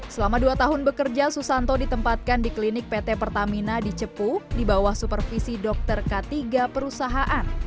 selama dua tahun bekerja susanto ditempatkan di klinik pt pertamina di cepu di bawah supervisi dokter k tiga perusahaan